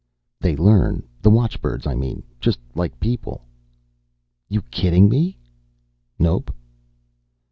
"They learn. The watchbirds, I mean. Just like people." "You kidding me?" "Nope."